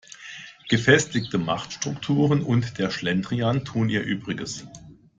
Gefestigte Machtstrukturen und der Schlendrian tun ihr Übriges.